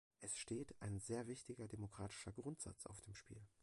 Es steht ein sehr wichtiger demokratischer Grundsatz auf dem Spiel.